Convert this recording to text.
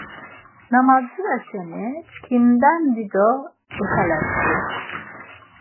Na madzirasen şeni, çkimden dido ixelet̆u.